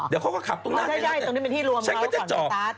นี่เขาก็ขับตรงหน้าข้างแบบนี้